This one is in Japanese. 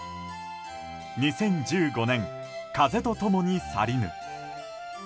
２０１５年「風と共に去りぬ」。